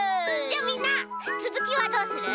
じゃあみんなつづきはどうする？